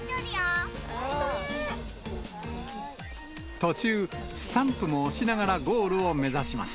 途中、スタンプも押しながらゴールを目指します。